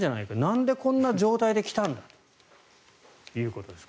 なんでこんな状態で来たんだということです。